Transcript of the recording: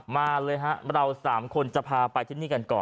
มาเลยฮะเรา๓คนจะพาไปที่นี่กันก่อน